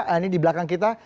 ini di belakang kita